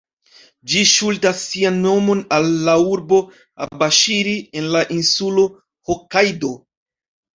Ĝi ŝuldas sian nomon al la urbo Abaŝiri en la insulo Hokajdo.